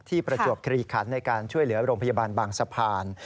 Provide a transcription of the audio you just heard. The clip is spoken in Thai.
ประจวบคลีขันในการช่วยเหลือโรงพยาบาลบางสะพาน